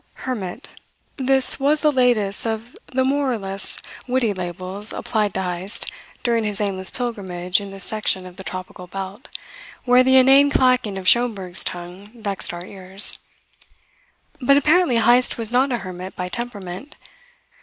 Hermit. This was the latest of the more or less witty labels applied to Heyst during his aimless pilgrimage in this section of the tropical belt, where the inane clacking of Schomberg's tongue vexed our ears. But apparently Heyst was not a hermit by temperament.